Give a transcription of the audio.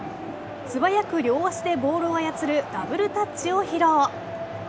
素早く両足でボールを操るダブルタッチを披露。